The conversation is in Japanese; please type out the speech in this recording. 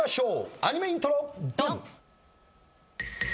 アニメイントロドン！